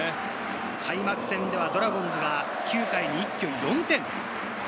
開幕戦はドラゴンズは９回に一挙４点。